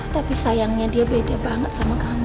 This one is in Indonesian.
tapi sayangnya dia beda banget sama kamu